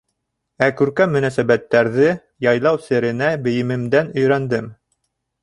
Ә күркәм мөнәсәбәттәрҙе яйлау серенә бейемемдән өйрәндем.